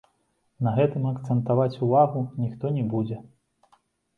На гэтым акцэнтаваць увагу ніхто не будзе.